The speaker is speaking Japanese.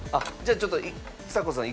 ちょっとちさ子さん